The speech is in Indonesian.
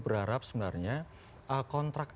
berharap sebenarnya kontrak